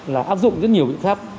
là áp dụng rất nhiều biện pháp